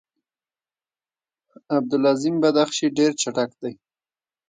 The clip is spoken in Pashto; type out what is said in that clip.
عبدالعظیم بدخشي ډېر چټک دی.